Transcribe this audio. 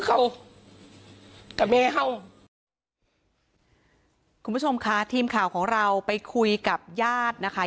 คุณผู้ชมค่ะทีมข่าวของเราไปคุยกับญาตินะคะ